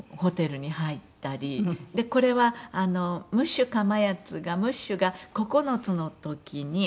これはムッシュかまやつがムッシュが９つの時に。